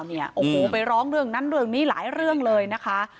โอ้โหไปร้องเรื่องนั้นเรื่องนี้หลายเรื่องเลยนะคะ